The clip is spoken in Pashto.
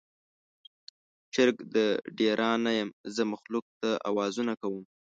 چرګ د ډیران نه یم، زه مخلوق ته اوازونه کوم